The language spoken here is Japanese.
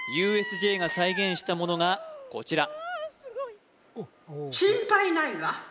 ＵＳＪが再現したものがこちら